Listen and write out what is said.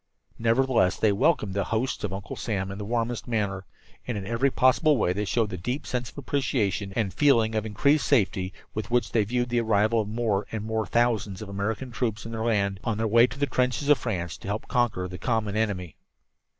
Nevertheless they welcomed the hosts of Uncle Sam in the warmest manner, and in every possible way showed the deep sense of appreciation and feeling of increased safety with which they viewed the arrival of more and more thousands of American troops in their land, on their way to the trenches of France to help conquer the common enemy.